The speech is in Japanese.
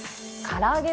から揚げ